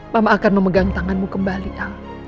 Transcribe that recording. mama akan memegang tanganmu kembali kang